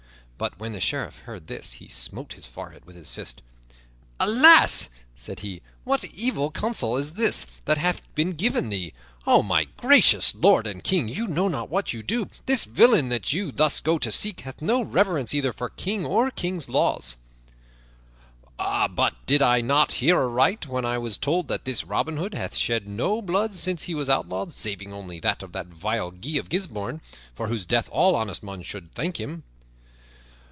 But when the Sheriff heard this he smote his forehead with his fist. "Alas!" said he, "what evil counsel is this that hath been given thee! O my gracious lord and King, you know not what you do! This villain that you thus go to seek hath no reverence either for king or king's laws." "But did I not hear aright when I was told that this Robin Hood hath shed no blood since he was outlawed, saving only that of that vile Guy of Gisbourne, for whose death all honest men should thank him?"